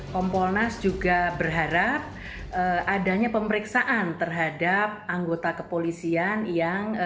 kompolnas juga berharap adanya pemeriksaan terhadap anggota kepolisian yang